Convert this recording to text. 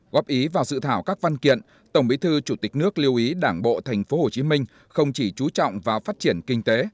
góp ý vào dự thảo các văn kiện tổng bí thư chủ tịch nước lưu ý đảng bộ tp hcm không chỉ trú trọng vào phát triển kinh tế